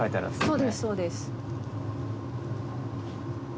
そうですそうです。